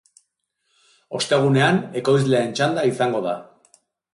Ostegunean, ekoizleen txanda izango da.